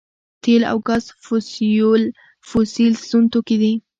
تیل او ګاز فوسیل سون توکي دي